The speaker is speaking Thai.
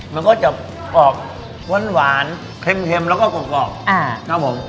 มันก็จะออกหวานเค็มแล้วก็กรอบครับผม